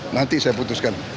nanti saya putuskan